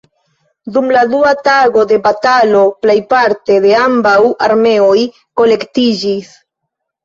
Dum la dua tago de batalo, plejparte de ambaŭ armeoj kolektiĝis.